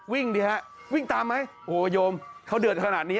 ดิฮะวิ่งตามไหมโอ้โหโยมเขาเดือดขนาดนี้